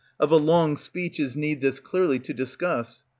Of a long speech is need this clearly to discuss.